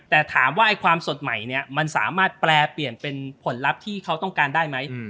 แต่ถามว่าความสดใหม่เนี่ยมันสามารถแปลเปลี่ยนเป็นผลลัพธ์ที่เขาต้องการได้ไหม